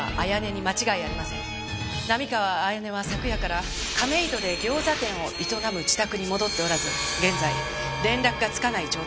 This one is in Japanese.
並河彩音は昨夜から亀戸で餃子店を営む自宅に戻っておらず現在連絡がつかない状態です。